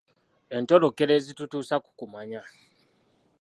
Entolokero ezitutuusa ku kumanya